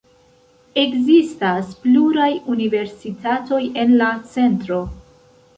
Ekzistas pluraj universitatoj en la centro.